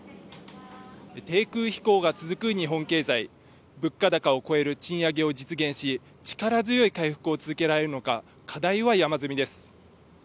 低空飛行が続く日本経済、物価高を超える賃上げを実現し、力強い回復を続けられるのか、課題は山積みです。